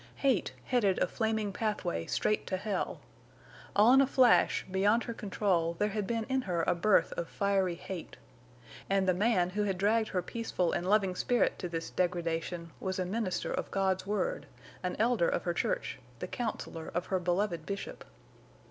Hate headed a flaming pathway straight to hell. All in a flash, beyond her control there had been in her a birth of fiery hate. And the man who had dragged her peaceful and loving spirit to this degradation was a minister of God's word, an Elder of her church, the counselor of her beloved Bishop.